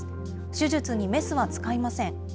手術にメスは使いません。